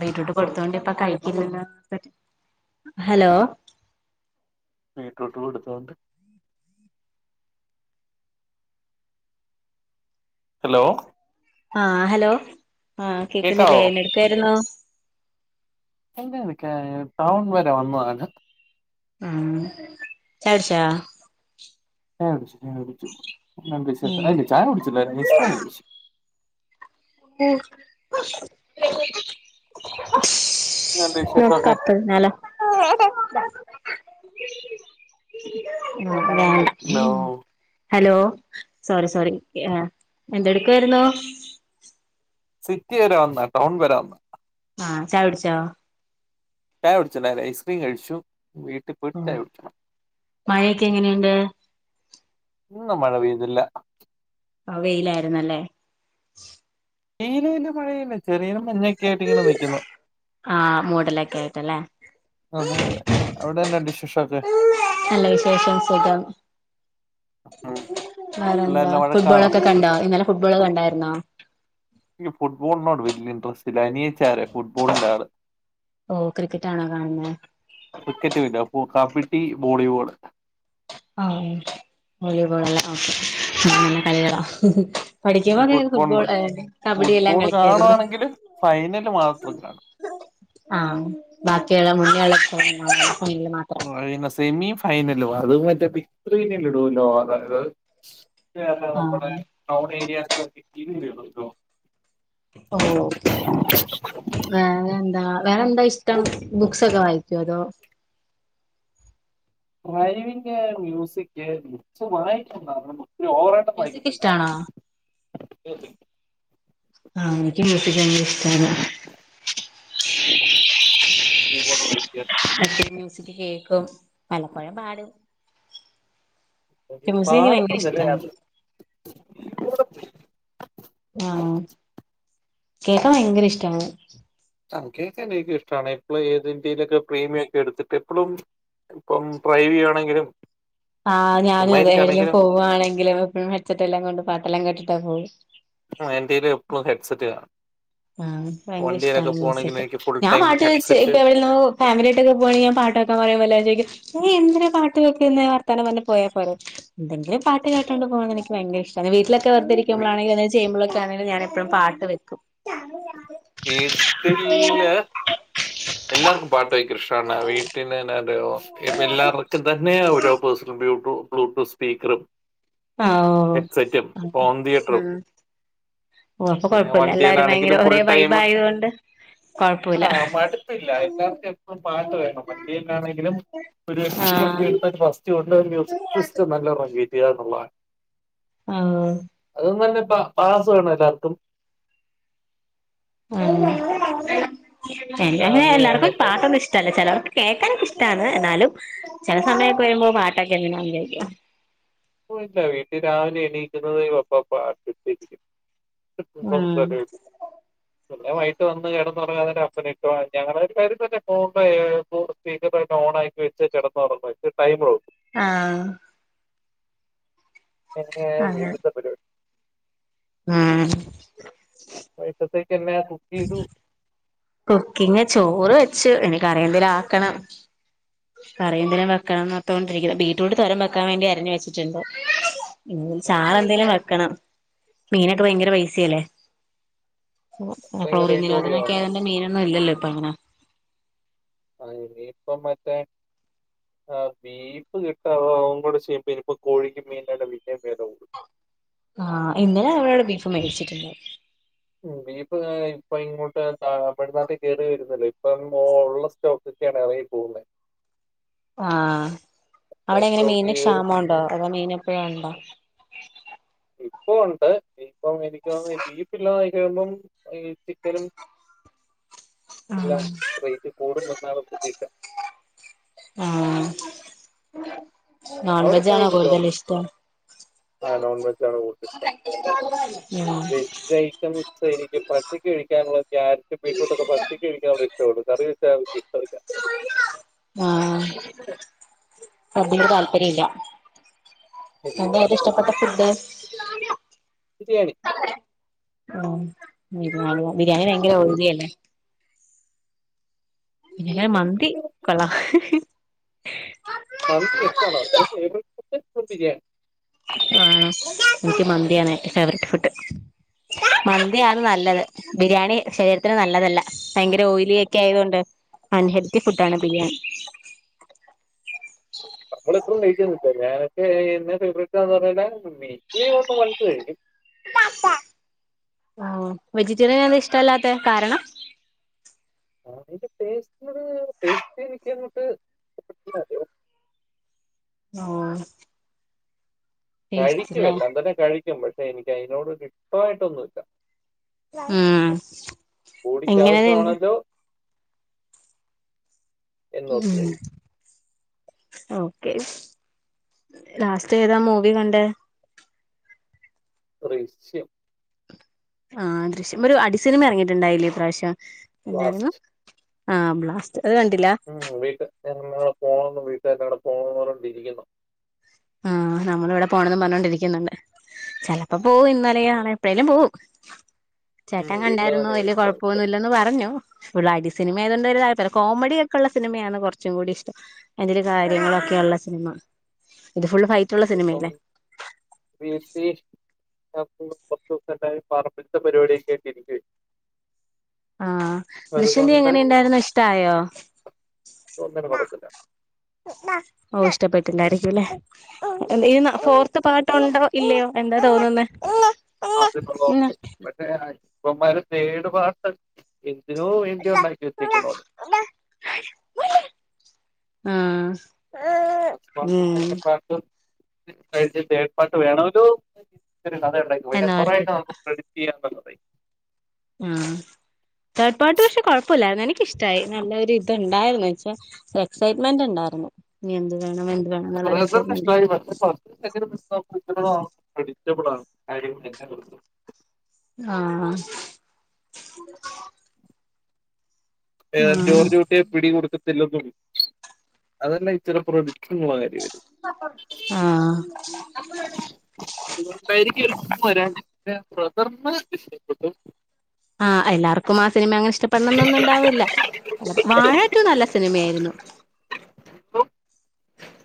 Beetroot കൊടുത്തൊണ്ട്പ്പ കഴിക്കില്ലല്ലോ hello beetroot കൊടുത്തോണ്ട് ഹലോ ആ ഹലോ ആ കേക്കുന്നില്ലേ കേക്കാവോ എന്ത് ടുക്കായിരുന്നു എന്ത എനിക്ക ടൗൺ വരെ വന്നു താന് ആ ചായട്ച്ചോ ചായ കുടിച്ചു, ചായ കുടിച്ചു പിന്നെ എന്താ വിശേഷം ഉം അതല്ല ചായ കുടിച്ചില്ല [unintelligible] [inaudible] [inaudible] [inaudible] പിന്നെന്ത് വിശേഷൊക്കെ ഹലോ ഹലോ സോറി സോറി എന്തെടുക്കായിരുന്നു സിറ്റി വരൊവന്നാ ടൗൺ വന്ന ആ ചായ കുട്ച്ചോ ചായ കുടിച്ചില്ലാ ഐസ്ക്രീം കഴിച്ചു വീട്ടിൽ പോയിട്ട് ആ ചായ കുടിക്കണം മഴൊക്കെ എങ്ങനെയുണ്ട് ഇന്നും മഴ പെയ്തില്ല ആ വെയിലായിരുന്നല്ലേ വെയിലും ഇല്ല മഴയില്ല ചെറിയ എന്നൊക്കെയ ആയിട്ട് ഇങ്ങനെ നിക്കുന്നു ആഹ് മൂടലൊക്കെ ആയിട്ടല്ലേ അതെ അതെ അവിടെന്നെണ്ട് വിശേഷൊക്കെ നല്ല വിശേഷം സുഖം വേറെന്താ പിള്ളേരെല്ലാം വഴക്കാണോ ഫുട്ബോളൊക്കെ കണ്ടോ ഇന്നലെ ഫുട്ബോൾ കണ്ടായിരുന്നോ എനിക്ക് ഫുട്ബോളിനോട് വലിയ ഇൻട്രസ്റ്റ് ഇല്ല അനിയച്ചാരെ ഫുട്ബോളിന്റെ ആള് ഓഹ് ക്രിക്കറ്റാണോ കാണുന്നെ ക്രിക്കറ്റ് ഇല്ല ബൊ കബഡി വോളിബോൾ ആ വോളിബോളല്ല ഓ [unintelligible] നല്ല കളികളാ. പഠിക്കുമ്പോ ഫുട്ബോളിന് ഫുട്ബോൾ കബഡി എല്ലാം ഫുട്ബോൾ കളിക്കായിരുന്നു കാണുവാണെങ്കിലും ഫൈനല് മാത്രം കാണും ആ ബാക്കിയുള്ള മുണിയളക്ക ഓഴ സെമി ഫൈനല അത് മറ്റേ [unintelligible] ഇടുല്ലോ അതായത് അല്ല നമ്മുടെ ആഹ് ടൗൺ ഏരിയസ [unintelligible] വരുള്ളോ ഓ ഓ ഓ വേറെ എന്താ വേറെന്ത വിശേ ഇ്ടം ബുക്സ്ക്കെ വായിക്കോ അതോ ഡ്രൈവിങ് മ്യൂസിക് ബുക്സ് വായിക്കും മ്യൂസിക് ഇഷ്ടാണോ ആ എനിക്ക് മ്യൂസിക് ഭയങ്കര ഇഷ്ടാണ് [unintelligible] [unintelligible] അ മ്യൂസിക്ക് കേക്കും പലപ്പോഴെ പാടും ഡബ്സി ന്ക്ക് ഭയങ്കര പാടത്തുന്നില്ലേ ഇഷ്ടാണ് ആഹ് കേക്കാൻ വയങ്കര ഇഷ്ടാണ് ആ ഉ കേക്കാൻ എനിക്ക് ഇഷ്ടാണ് ഇപ്പഴീത് ന്ത്യയിലൊക്കെ പ്രീമിയം ക്കെഎട്ത്തിട്ട് എപ്പളും ഇപ്പം ഡ്രൈവെയണെങ്കിലും ആ ഞാനും അതേ ഏടെലും പോവാണെങ്കിലും എപ്പഴും ഹെഡ് സെറ്റെല്ലാം കൊണ്ട് പാട്ടെല്ലാം കേട്ടിട്ടാ പോവ്ള്ളൂ ആ എന്റേല് എപ്പളും ഹെഡ്സെറ്റ് കാണാ ആഹ്.. എനിയ്ക്ക് ഭയങ്കര ഇഷ്ട പോകണെങ്കിൽ മ്യൂസിക്.. എനിക്ക് ഫുൾ ഞാൻ ടൈം പാട്ട് വെച്ച് ഹെഡ്സെറ്റ് പ്പെ എവിട്ന്നോ ഫാമിലി ആയിട്ടൊക്കെ പോവാണെങ്കി ഞാൻ പാ പാട്ടൊക്കെ പറിമ്പോ എല്ലാരും ചോയ്ക്യും നീയെന്തിനാ പാട് റ്റ് വെക്ക്ന്ന വർത്താനം പർഞ് പോയാ പോരെ... എന്തങ്കിലും പാട്ട് കേട്ടോണ്ട് പോകനെനിക്ക് വയങ്കരഷ്ടാണ് വീട്ടിലെത് വീട്ടിൽ വെർതിരിക്കുമ്പളാണെലും എന്തേലും ചെയ്യുമ്പളൊക്കെ ആണെങ്കിലും ഞാനെപ്പഴും പാട്ട് വെക്കും വീട്ട്ല്ല് എല്ലാർക്കും പാട്ട് ഭയങ്കര ഇഷ്ടാണ് വീട്ട് ന് നെ ന ഇത് എല്ലാർക്കും തന്നെ ഓരോ പേഴ്സണൽ [inaudible] ബ്ലൂടൂത്ത് സ്പീക്കറും അ ഓ ഹെഡ്സെറ്റും ആ ഹോം തിയേറ്ററും ഓ അപ്പ പിന്നെ കൊഴപ്പല്ല എല്ലാരും ഭയങ്കര വണ്ടിയിലാണെങ്കിലും ഫുൾ ഒരേ ടൈം വൈബായോണ്ട് ആ മടുപ്പില്ല എല്ലാർക്കും എപ്പളും പാട്ട് വേണം വണ്ടിയിലാണെങ്കിലും ഒരു [unintelligible] വണ്ടി എട്ത്താ [inaudible] ഒരു മ്യൂസിക് ആഹ് സിസ്റ്റം ന്നല്ല [inaudible] വെര്ആ എന്നുള്ളതാണ് ആഹ് [inaudible] പാ പാസ്സ് വേണോ എല്ലാർക്കും ആ [unintelligible] അങ്ങനെയാണ് എല്ലാർക്കും എല്ലാവരും പാട്ടൊന്നും ഇഷ്ടല്ല ചെലോർക്ക് കേക്കാനൊക്കെഷ്ടാണ് ന്നാലും ചെല സമയൊക്കെ വെരുമ്പോ പാട്ടൊക്കെ എങ്ങനോ വെര്ആ പോയ്ക്ക വീട്ടി രാവിലെ എണീക്കുന്നുന്നത് ഒപ്പ പാട്ടിട്ടിരിക്കും [inaudible] ഉം പിന്നെ വൈകിട്ട് വന്ന് കെട്- [inaudible] [inaudible] ആ ഇങ്ങനെ വീട്ടത്തെ പരിപടി ആ വൈകീട്ടതെക്കെല്ലാം കുക്കെയ്തൊ കുക്കിങ് ചോറ് വെച്ചു.. ഇനി.. കറിയെന്തേലും ആക്കണം കറിയന്തേലും വെക്കണം ന്നോർത്തോണ്ടിരിക്ക്ണ്.. ബീറ്റ്റൂട്ട് തോരൻ വെക്കാൻ വേണ്ടി അരിഞ്ഞു വെച്ച്ട്ടുണ്ട് [unintelligible] ഉം. ചാറ് എന്തേലും വെക്കണം മീനൊക്കെ വയങ്കര പൈസെല്ലേ കൊ ഭയങ്കര ക്ലോറിൻ റേറ്റ് കൂടിയോ നിരോധനൊക്കെ ആയോണ്ട് മീനൊന്നും ഇല്ലല്ലോ പ്പ അങ്ങനെ അ ഇനി പ്പം മറ്റേ ആ ബീഫ് കിട്ടാതാവും കൂടെ ചെയ്യും [inaudible] പ്പോ കോഴിക്കും മീൻ [unintelligible] പിന്നേം വെല കൂടും ആ ഇന്നലെ അവടെ ബീഫ് മേടിച്ചിട്ട്ണ്ടായി മ് ബീഫ് ഇപ്പൊ ഇങ്ങോട്ട് തമിഴ്നാട്ടിൽ കേറി വര്ന്നല്ലേ.. ഇപ്പം ഓ ള്ള സ്റ്റോകൊക്കെണ് അവര് പോവുന്നെ ആ അവിടെ എങ്ങനെ മീൻന് സ്റ്റോക്ക് ക്ഷാമംഉണ്ടോ അതോ മീന് എപ്പഴും ണ്ടോ ഇപ്പൊ ഉണ്ട് ഇപ്പം എനിക്കോന്ന് ബീഫ് ല്ലാതായ് കമ്പും ഈ ചിക്കനും എല്ലാം റെയ്റ്റ് കൂടുന്ന് ന്നാളുംകൂട്ടീട്ട് ആ അവിടെ ചായ നോൺവെജാണോ കുടിച്ചോ കൂടുതലിഷ്ടം ആ നോൺവെജാണ് കൂടുതൽ ഇഷ്ടം ഉം വെജ്ജ് ഐറ്റംസ് ക്ഷ എനിക്ക് പച്ചക്ക് കഴിക്കാനുള്ള ക്യാരറ്റ് ബീട്രൂട്ടൊക്കെ പച്ചക്ക് കഴിക്കാന് ഇഷ്ടൊള്ളൂ കറി വെച്ചാ അവര്ക്ക് ഇഷ്ടല്ല ആ അതിനു താല്പര്യല്ല ഇല്ലില്ല എന്തായ്രുന്ന് ഇഷ്ടപ്പെട്ട ഫുഡ്ഡ് ബിരിയാണി ഉം ബിരിയാണി ഓ ബിരിയാണി ഭയങ്കര ഓയിലിഅല്ലെ ഇൻക്ക് മന്തി കൊള്ളാം ട്ടിജ [unintelligible] ആഹ് എനിക്ക് മന്തിയാണ് എന്റെ ഫേവറെറ്റ് ഫുഡ് മന്തിയാണ് നല്ലത് ബിരിയാണി ശരീരത്തിന് നല്ലതല്ല ഭയങ്കര ഓയിലിയോക്കെ ആയതൊണ്ട് അൻഹെൽത്തി ഫുഡാണ് ബിരിയാണി നമ്മള ഇപ്പളും വെയിറ്റ് ചെയ്‌തിരിക്ക ഞാനൊക്കെ എന്റെ ഫേവററ്റന്ന പറഞ്ഞിട്ട് [unintelligible] ആ വെജിറ്റേറിയൻ എന്താ ഇഷ്ടല്ലാത്തെ കാരണം അതിന്റെ ടെസ്റ്റ് ടെസ്റ്റ് എനിക്കങ്ങോട്ട് ആ കഴിക്കുംഎല്ലാം തന്നെ കഴിക്കും പക്ഷെ എനിക്ക് അഴിനോട് ഇഷ്ടമായിട്ടൊന്നുല്ല ഉം എങ്ങനെ തന്നെ ബോഡിക്കാവശ്യമാണല്ലോ എന്നോർത്ത് ഉം കഴിക്കും ഓക്കെ ലാസ്റ്റ് ഏതാ മൂവി കണ്ടെ ദൃശ്യം ആഹ് ദൃശ്യം ഒരു അടി സിനിമ ഇറങ്ങിട്ടുണ്ടായില്ലേ ഇപ്രാവശ്യം എന്തായിരുന്നു ബ്ലാസ്റ്റ് ആ ബ്ലാസ്റ്റ് അത് കണ്ടില്ല ഞാൻ [unintelligible] പോകണന്ന് പറഞ്ഞൊണ്ടി ഇരിക്കുന്നു ആ നമ്മൾ ഇവിടെ പോണന്ന് പറഞ്ഞോണ്ടിരിക്കുന്നുണ്ട് ചെലപ്പോ പോ ഇന്നലെയാണ് എപ്പോഴേലും പോവും ഉം ചേട്ടൻ വീട്ടില് കണ്ടായിരുന്നു തന്നെ വല്യ ഇപ്പം കൊഴപ്പൊന്നും ഇപ്പം ഇല്ലന്ന് പറഞ്ഞു ഫുള്ളും അടി സിനമയതുകൊണ്ട് ഒരു താല്പര്യല്ല പിന്നെ കോമഡിക്കെള്ള സിനിമയാണ് കുറച്ചും കൂടി ഇഷ്ടം അതില് കാര്യങ്ങളൊക്കെ ള്ള സിനിമ ഇത് ഫുൾ ഫൈറ്റുള്ള പ്പം സിനിമയല്ലേ വസ് [unintelligible] ഞ കുറച്ചു ദിവസം പറമ്പിത്തെ പരിപാടിയൊക്കെ ആഴിട്ടിരിക്കയിരുന്നു ആ ദൃശ്യം എങ്ങനെണ്ടായിരുന്നു ഇഷ്ടായോ ഒന്നിനും കൊടുത്തില്ല ഓ ഇഷ്ടപ്പെ ട്ടായിരിക്കുല്ലേ ഇ ഫോർത്ത് പാർട്ട്ണ്ടോ ഇല്ലയോ എന്താ തോന്നുന്ന [unintelligible] ഇവമാര് തേടു പാർട്ട് [unintelligible] ഉണ്ടായി ചിന്ദിക്കുന്നവര് ആഹ ഫസ്റ്റ് പാർട്ടും സെക്കന്റ്‌ പാർട്ടും കയിഞ്ഞു തെർഡ് പാർട്ട്‌ വേണമല്ലോ കഥ ഉണ്ടാക്കി പിന്നെ കുറെയിട്ട് എന്നോർത്തിട്ട് നമുക്ക് ക്രഡിറ്റ് ചെയ്യാൻ [unintelligible] ആ തേർഡ് പാർട്ട് പക്ഷെ കൊഴപ്പല്ല എനി ഇഷ്ടായി നല്ല ഇത്ണ്ടായിരുന്നു ച്ച എക്സൈറ്റ്മെന്റ് ഉണ്ടായിരുന്നു ഇഞ് എന്തു [unintelligible] [unintelligible] ക്രഡിറ്റബിൾ ആണ് കാര്യ ആഹ ഏത് ജോർജ്കുട്ടിയെ പിടികൊടുത്തിട്ടില്ലെന്നും അതല്ലെ ഇത്തരം പ്രതി ആഹ അതുകൊണ്ടായിരിക്കും ചെലപ്പോഇഷ്ടപെടാഞ് ബ്രദർന് ഇഷ്ടപ്പെട്ടു ആഹ് എല്ലാർക്കും ആ സിനിമ അങ്ങനെ ഇഷ്ടപ്പെടണൊന്നും ഉണ്ടാവില്ല വാഴാറ്റു നല്ല സിനിമയായിരുന്നു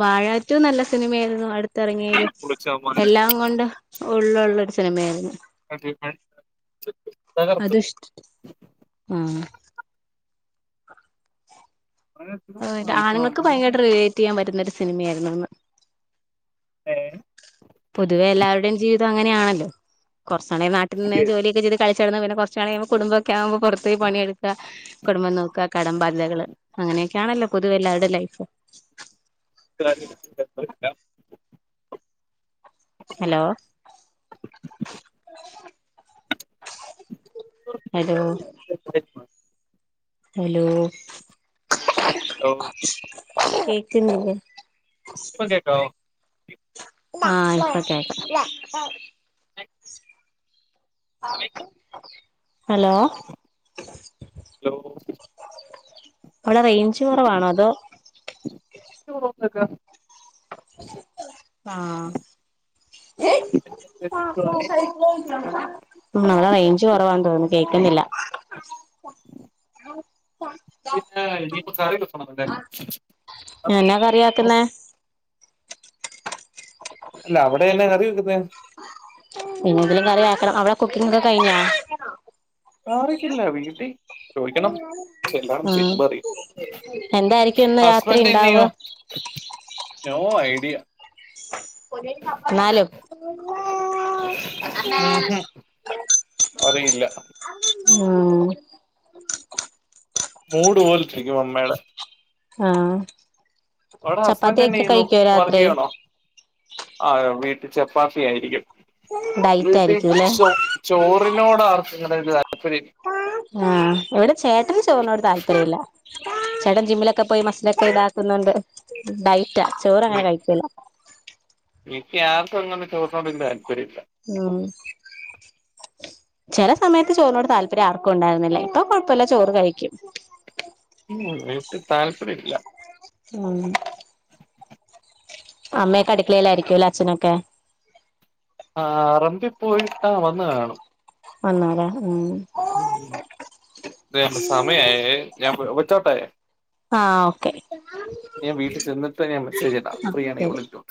വാഴ റ്റു ഏറ്റവും നല്ല സിനിമയായിരുന്നു അടുത്തിറങ്ങിയല് പുളിച്ചാമാര് എല്ലാം കൊണ്ട് ഉള്ളുള്ള ഒരു സിനിമയായിരുന്നു അതെ അതെ അതുഷ്ട ആഹ അങ്ങനെ തീർന്നു. ഇപ്പൊ ആണുങ്ങൾക്ക് അമ്മ ഭയങ്കരയിട്ട് റിലേറ്റ് ചെയ്യാൻ പറ്റുന്ന ഒരു സിനിമയായിരുന്നു അത് ആഹ പൊതുവെ എല്ലാവരുടെയും ജീവിതം അങ്ങനെയാണല്ലോ കുറച്ചാണെങ്ക നാിൽ നിന്ന് ഏ, ജോലിയൊക്കെ ചെയ്ത് കളിച് ചടന്ന് പിന്നെ കുറചാൾ കഴുമ്പോ കുടുംബ ഒക്കെ ആവുമ്പോ പുറത്തേ പണിയെടുക്ക കുടുംബം നോക്കാ പിന്നെ കടം ബാധ്യതകള് അങ്ങനെ അങ്ങനൊക്കാണല്ലോ പതുവെല്ലാവരുടെ ലൈഫും [unintelligible] ഹലോ ഹലോ ഹലോ ഹലോ കേക്കുന്നില്ലേ പ്പോ കേൾകാവൊ ആഹ്പ്പൊക്കെക ഹലോ അവടേ റേഞ്ച് കൊറവാണോ അതോ ഹലോ ആഹ പിന്നെ മ്മ് അവ്ടെ റേഞ്ച് കൊറവാതൊന്നുന്നു കേക്ന്നില്ല പിന്നെ ഇനി കറിക്കെ വെക്കണം ന്തായാലും എന്നക്കറിയാക്കുന്നെ ല്ല അവിടെന്ന കറി വെക്കുന്നെ പിന്നെന്തേലും കറി ആക്കണം അവിടെ കുക്കിങ്ങോക്കെ കഴിഞ്ഞോ? ആരൊക്കെള്ളെ വീട്ടി ആ എന്തായിരിക്കും ഇന്ന് രാത്രി ഹസ്ബൻഡ് ഇണ്ടാവാ? എന്നെയോ നോ ഐഡിയ ന്നാലും ഉം ഹ് അറിയില്ല ഹ്മ്മ് മൂഡ് പോലിരിക്കും അമ്മേടെ ആഹ ങ്ങടെ ഹുസ്ബൻഡ് എന്തേയ്യുന്നുവർകെയാണോ ആ വീട്ടീ ഡയറ്റ് ചപ്പാത്തിയായിരിക്കുംവീട്ടീ ആയിരിക്കുംല്ലേ ചോ ചോറിനോടാർക്കും ങ്ങനെ രു താല്പര്യ ആഹ വ്ടെ ചേട്ടന് ചോർനോട് താല്പര്യല്ല ചേടൻ ജിമ്മിലൊക്കെ പ്പോയി മസ്സിലൊക്കെ ഇടാക്കുന്നുണ്ട് ഡെയ് ഡെയ്റ്റ ചോറങ്ങനെ കഴിക്കൂല യാർക്കൊന്നും ചോർനോടൊങ്ങന്നൊരു താല്പര്യല്ല ഉം ചെല സമയത്ത് ചോറിനോട് താല്പര്യറക്കുണ്ടാർന്നില്ല പ്പൊ കൊയപ്പല്ല ചോറ് കഴിക്കും വെയ്ട്ട് താല്പര്യല്ല ഉം അമ്മയൊക്കെ അടക്കളേലായിരിക്കുവല്ലേ അച്ഛനൊക്കെ? പാറമ്പി പോയിപ്പാ വന്ന് കാണും വന്നൂലേ ഉം ഉം.. ദേ സമയായേ ഞാൻ വ വെച്ചോട്ടെ ആഹ് ഓക്കെ ഞാ വീട്ടി ചെന്നിട്ട് ഞാൻ മെസ്സേജിടാം. ഫ്രീയാണെ ശരി വിള്ക്കോ?